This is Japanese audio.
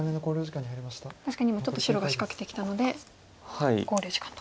確かに今ちょっと白が仕掛けてきたので考慮時間と。